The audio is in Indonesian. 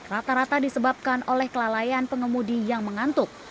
rata rata disebabkan oleh kelalaian pengemudi yang mengantuk